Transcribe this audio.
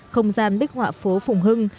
không gian đích họa phố phùng hưng